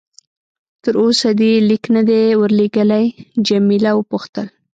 تر اوسه دې لیک نه دی ورلېږلی؟ جميله وپوښتل.